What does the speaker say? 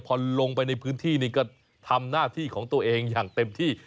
พอลงไปในพื้นที่นี่ก็ทำหน้าที่ของตัวเองอย่างเต็มที่